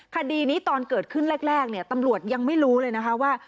คดีนี้ตอนเกิดขึ้นแรกเนี่ยตำรวจยังไม่รู้เลยนะคะว่า